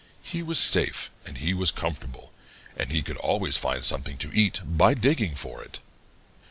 He was safe, and he was comfortable, and he could always find something to eat by digging for it.